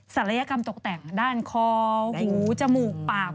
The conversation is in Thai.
ศัลยกรรมตกแต่งด้านคอหูจมูกปาก